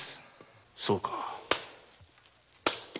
そうか。